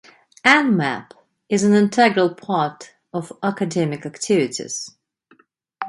Nmap is an integral part of academic activities.